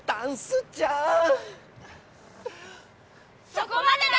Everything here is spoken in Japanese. そこまでだ！